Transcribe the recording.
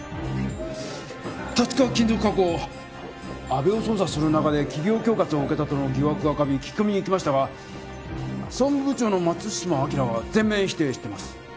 阿部を捜査する中で企業恐喝を受けたとの疑惑が浮かび聞き込みに行きましたが総務部長の松島明は全面否定しています。